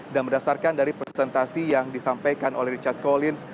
dan berdasarkan dari presentasi yang disampaikan oleh richard collins